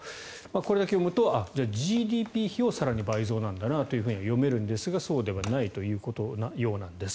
これだけ読むとＧＤＰ比を更に倍増なんだなと読めるんですが、そうではないということのようなんです。